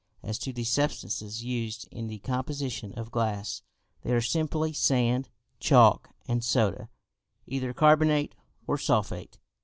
As to the substances used in the composition of glass, they are simply sand, chalk and soda, either carbonate or sulphate.